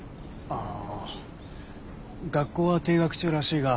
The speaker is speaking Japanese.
あ学校は停学中らしいが。